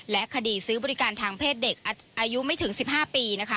และคดีซื้อบริการทางเพศเด็กอายุไม่ถึง๑๕ปีนะคะ